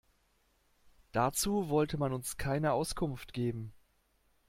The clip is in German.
Dazu wollte man uns keine Auskunft geben.